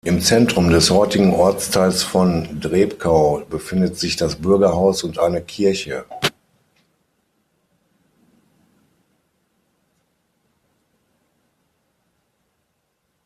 Im Zentrum des heutigen Ortsteils von Drebkau befindet sich das Bürgerhaus und eine Kirche.